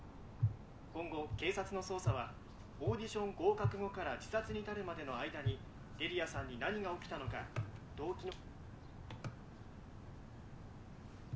今後警察の捜査はオーディション合格後から自殺に至るまでのあいだに梨里杏さんに何がおきたのか動機の。